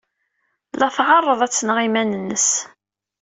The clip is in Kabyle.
La tɛerreḍ ad tneɣ iman-nnes.